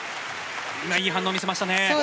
いい反応、見せましたね。